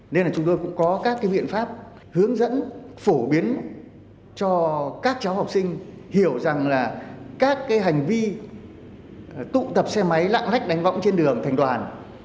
nên là chúng tôi cũng có các cái biện pháp hướng dẫn phổ biến cho các cháu học sinh hiểu rằng là các cái hành vi tụ tập xe máy lạng lách đánh võng trên đường thành đoàn